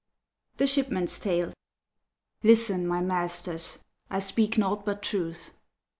THE SHIPMAN'S TALE Listen, my masters! I speak naught but truth.